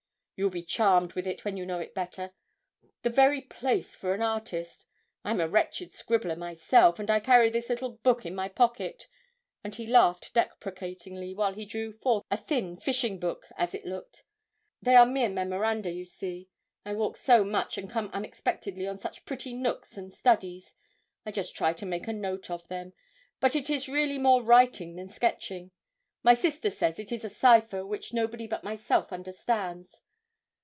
'You will be charmed with it when you know it better the very place for an artist. I'm a wretched scribbler myself, and I carry this little book in my pocket,' and he laughed deprecatingly while he drew forth a thin fishing book, as it looked. 'They are mere memoranda, you see. I walk so much and come unexpectedly on such pretty nooks and studies, I just try to make a note of them, but it is really more writing than sketching; my sister says it is a cipher which nobody but myself understands.